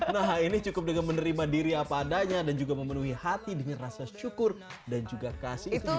nah ini cukup dengan menerima diri apa adanya dan juga memenuhi hati dengan rasa syukur dan juga kasih itu